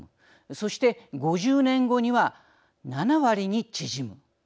そして５０年後には７割に縮む。